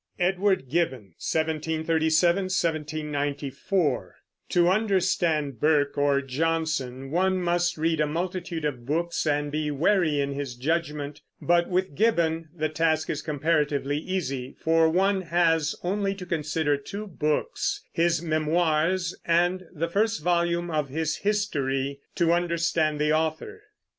EDWARD GIBBON (1737 1794) To understand Burke or Johnson, one must read a multitude of books and be wary in his judgment; but with Gibbon the task is comparatively easy, for one has only to consider two books, his Memoirs and the first volume of his History, to understand the author.